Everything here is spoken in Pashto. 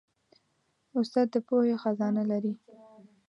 استاد د پوهې خزانه لري.